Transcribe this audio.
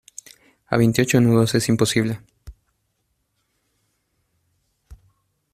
a veintiocho nudos es imposible.